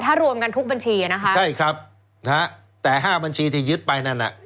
ถ้ารวมกันทุกบัญชีอ่ะนะคะใช่ครับนะฮะแต่ห้าบัญชีที่ยึดไปนั่นน่ะ